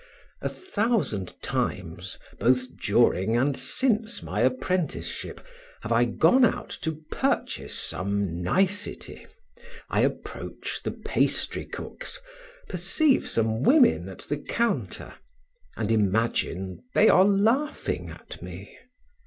A thousand times, both during and since my apprenticeship, have I gone out to purchase some nicety, I approach the pastry cook's, perceive some women at the counter, and imagine they are laughing at me.